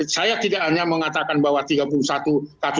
saya tidak hanya mengatakan bahwa tiga puluh satu ktp